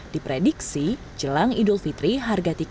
diprediksi jelasnya tidak akan berangkat mudik